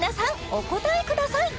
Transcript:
お答えください！